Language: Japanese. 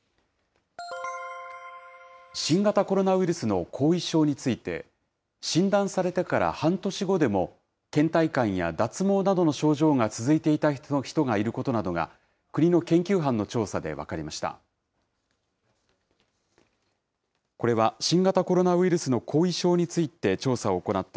新型コロナウイルスの後遺症について、診断されてから半年後でも、けん怠感や脱毛などの症状が続いていた人がいることが国の研究班の調査で分かりました。